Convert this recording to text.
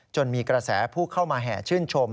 มีกระแสผู้เข้ามาแห่ชื่นชม